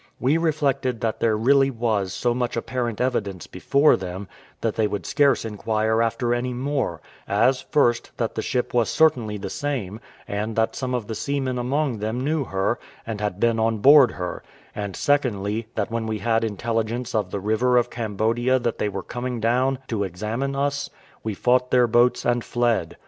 We reflected that there really was so much apparent evidence before them, that they would scarce inquire after any more; as, first, that the ship was certainly the same, and that some of the seamen among them knew her, and had been on board her; and, secondly, that when we had intelligence at the river of Cambodia that they were coming down to examine us, we fought their boats and fled.